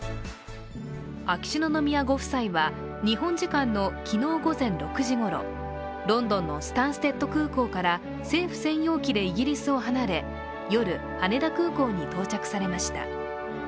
秋篠宮ご夫妻は日本時間の昨日午前６時ごろロンドンのスタンステッド空港から政府専用機でイギリスを離れ、夜、羽田空港に到着されました。